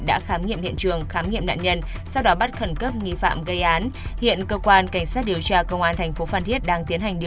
đã khám nghiệm hiện trường khám nghiệm nạn nhân sau đó bắt khẩn cấp nghi phạm gây án